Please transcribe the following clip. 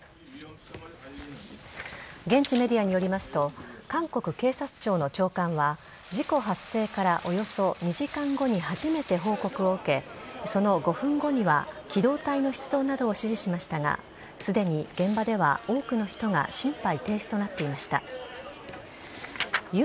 現地メディアによりますと韓国警察庁の長官は事故発生からおよそ２時間後に初めて報告を受けその５分後には機動隊の出動などを指示しましたがすでに現場では多くの人が心肺停止となっていました。